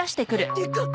でかっ。